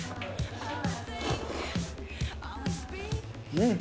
うん。